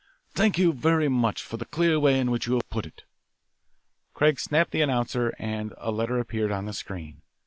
"Thank you very much for the clear way in which you have put it." Craig snapped the announcer, and a letter appeared on the screen.